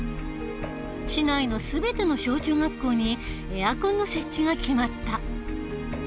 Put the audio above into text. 市内の全ての小中学校にエアコンの設置が決まった。